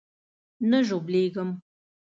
نه ژوبلېږم.